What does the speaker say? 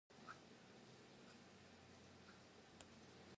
A "Che Guevara Mausoleum" is located in the town.